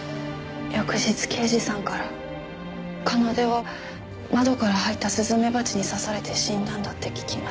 翌日刑事さんから奏は窓から入ったスズメバチに刺されて死んだんだって聞きました。